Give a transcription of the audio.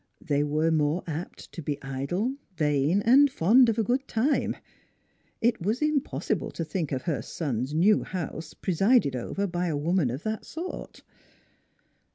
They were more apt to be idle, vain, and fond of a good time. It was im possible to think of her son's new house presided over by a woman of that sort.